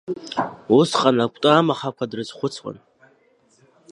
Усҟан акәты амахақәа дрызхәыцуан.